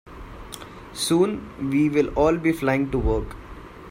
Soon, we will all be flying to work.